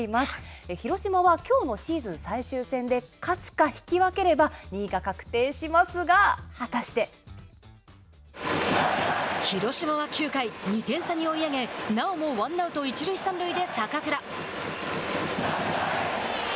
広島はきょうのシーズン最終戦で勝つか引き分ければ２位が確定しますが広島は９回、２点差に追い上げなおもワンアウト、一塁三塁で坂倉。